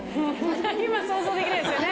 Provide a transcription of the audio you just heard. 今想像できないですよね